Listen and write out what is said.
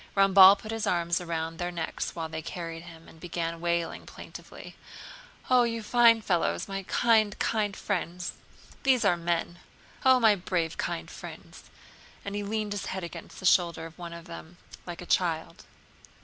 Ramballe put his arms around their necks while they carried him and began wailing plaintively: "Oh, you fine fellows, my kind, kind friends! These are men! Oh, my brave, kind friends," and he leaned his head against the shoulder of one of the men like a child.